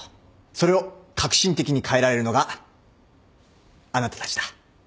それを革新的に変えられるのがあなたたちだ。